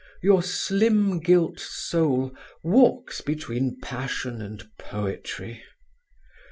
Your slim gilt soul walks between passion and poetry.